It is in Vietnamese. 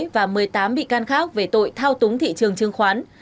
và một mươi tám bị can khác về tội thao túng thị trường chứng khoán